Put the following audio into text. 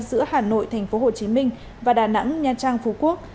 giữa hà nội tp hcm và đà nẵng nha trang phú quốc